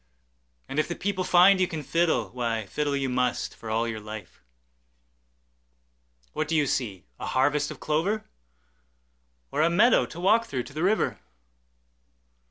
And if the people find you can fiddle, Why, fiddle you must, for all your life. What do you see, a harvest of clover? Or a meadow to walk through to the river?